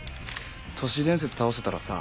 都市伝説倒せたらさ